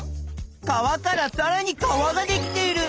川からさらに川ができている！